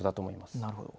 なるほど。